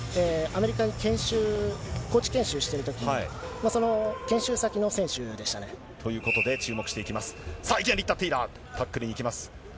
そうですね、アメリカに研修、高地研修しているときに、その研修先の選手でしたね。ということで、注目していきます。